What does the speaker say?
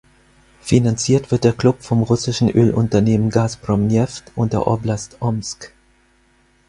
Finanziert wird der Klub vom russischen Ölunternehmen Gazprom Neft und der Oblast Omsk.